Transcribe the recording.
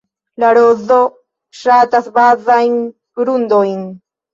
La rozo ŝatas bazajn grundojn.